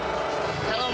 頼む。